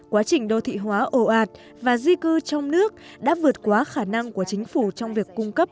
quá trình đô thị hóa ồ ạt và di cư trong nước đã vượt quá khả năng của chính phủ trong việc cung cấp